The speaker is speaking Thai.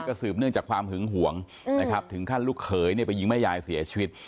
ก็สืบเนื่องจากความหึงห่วงนะครับถึงขั้นลูกเขยไปยิงแม่ยายเสียชีวิต